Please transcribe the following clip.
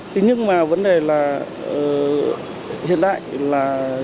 thế nhưng mà vấn đề là hiện đại là